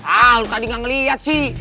ah tadi gak ngeliat sih